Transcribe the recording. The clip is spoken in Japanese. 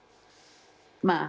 まあ